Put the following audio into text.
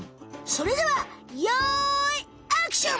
それではよいアクション！